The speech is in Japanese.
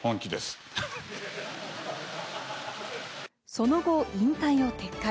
その後、引退を撤回。